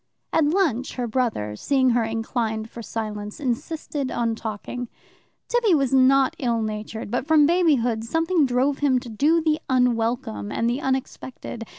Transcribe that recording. At lunch her brother, seeing her inclined for silence, insisted on talking. Tibby was not ill natured, but from babyhood something drove him to do the unwelcome and the unexpected.